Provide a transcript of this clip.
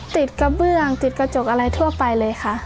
กระเบื้องติดกระจกอะไรทั่วไปเลยค่ะ